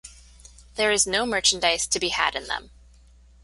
There is no merchandise to be had in them.